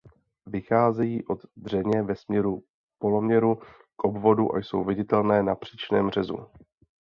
Vycházejí od dřeně ve směru poloměru k obvodu a jsou viditelné na příčném řezu.